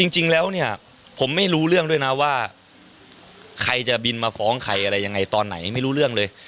จริงแล้วเนี่ยผมไม่รู้เรื่องด้วยนะว่าใครจะบินมาฟ้องใครอะไรยังไงตอนไหนไม่รู้เรื่องเลย